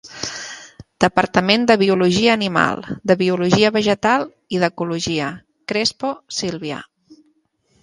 Departament de Biologia Animal, de Biologia Vegetal i d'Ecologia; Crespo, Sílvia.